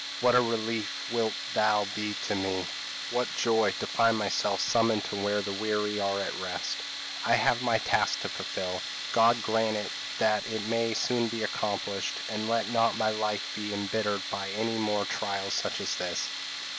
what a relief wilt thou be to me! what joy to find myself summoned to where the weary are at rest! I have my task to fulfil. God grant that it may soon be accomplished, and let not my life be embittered by any more trials such as this."